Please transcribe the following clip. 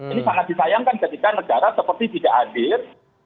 ini sangat disayangkan ketika negara seperti tidak hadir